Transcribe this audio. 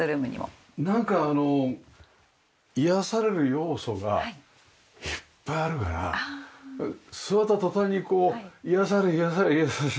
なんか癒やされる要素がいっぱいあるから座った途端にこう癒やされ癒やされ癒やされ。